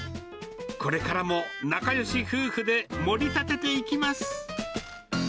これからも仲よし夫婦でもり立てていきます。